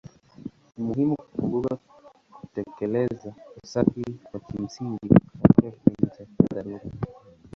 Ni muhimu kukumbuka kutekeleza usafi wa kimsingi katika kipindi cha dharura.